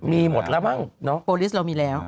มีหมดแล้วบ้างเนาะโปรลิสเรามีแล้ว